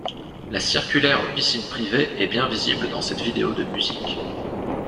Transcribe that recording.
La circulaire piscine privée est bien visible dans cette vidéo de musique.